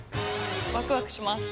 ワクワクします。